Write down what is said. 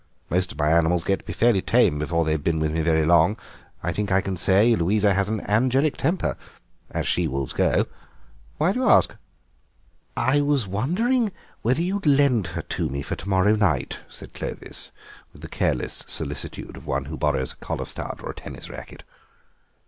Most of my animals get to be fairly tame before they've been with me very long; I think I can say Louisa has an angelic temper, as she wolves go. Why do you ask?" "I was wondering whether you would lend her to me for to morrow night," said Clovis, with the careless solicitude of one who borrows a collar stud or a tennis racquet.